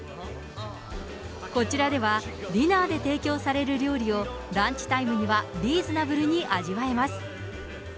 こちらでは、ディナーで提供される料理を、ランチタイムにはリーズナブルに味わえます。